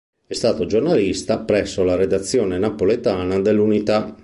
È stato giornalista presso la redazione napoletana dell'Unità.